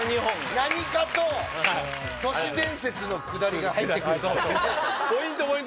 何かと都市伝説のくだりが入って来るからね。